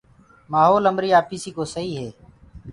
مآهولَ همريٚ آپيٚسيٚ ڪو سهيٚ هي